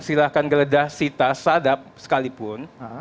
silahkan geledah sita sadap sekalipun